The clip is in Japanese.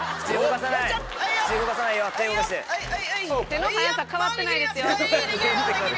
手の早さ変わってないですよ。